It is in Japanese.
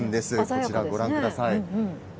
こちら、ご覧ください。